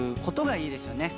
いいですよね。